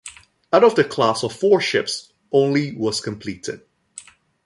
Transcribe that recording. Out of the class of four ships, only was completed.